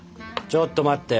ちょっと待って。